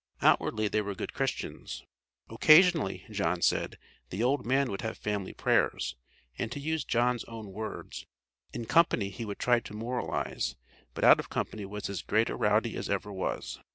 Outwardly they were good Christians. "Occasionally," John said, "the old man would have family prayers," and to use John's own words, "in company he would try to moralize, but out of company was as great a rowdy as ever was."